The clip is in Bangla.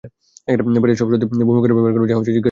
পেটের সব সত্যি ভমি করে বের করবো, যা জিজ্ঞাসা করার করুন!